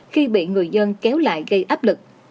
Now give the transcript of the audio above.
khi bị người dân kéo lại gây áp lực